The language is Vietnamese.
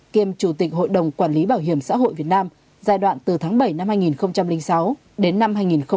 kiêm chủ tịch hội đồng quản lý bảo hiểm xã hội việt nam giai đoạn từ tháng bảy năm hai nghìn sáu đến năm hai nghìn một mươi ba